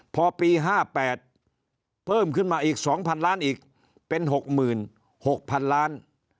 พอปี๕๘เพิ่มขึ้นมาอีก๒๐๐๐ล้านอีกเป็น๖๖๐๐๐ล้าน